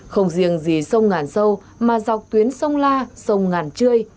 không riêng gì sông ngàn sâu mà dọc tuyến sông la sông ngàn trươi